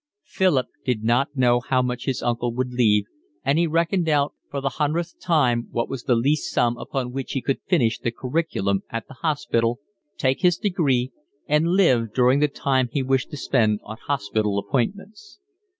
Philip did not know how much his uncle would leave, and he reckoned out for the hundredth time what was the least sum upon which he could finish the curriculum at the hospital, take his degree, and live during the time he wished to spend on hospital appointments.